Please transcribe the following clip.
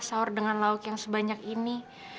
sahur dengan lauk yang sebanyak ini